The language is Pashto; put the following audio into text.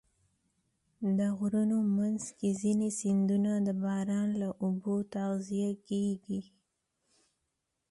د غرونو منځ کې ځینې سیندونه د باران له اوبو تغذیه کېږي.